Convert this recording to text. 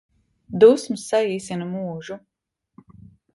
Dusmas saīsina mūžu